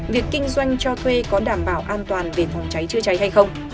việc kinh doanh cho thuê có đảm bảo an toàn về phòng cháy chữa cháy hay không